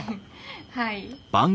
はい。